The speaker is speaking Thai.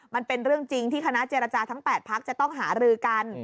มันเป็นเรื่องจริงที่คณะเจรจาทั้ง๘พักจะต้องหารือกัน